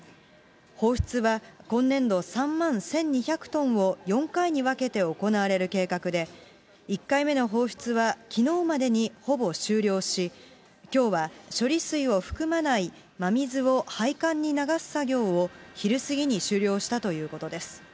放出は今年度３万１２００トンを４回に分けて行われる計画で、１回目の放出は、きのうまでにほぼ終了し、きょうは処理水を含まない真水を配管に流す作業を昼過ぎに終了したということです。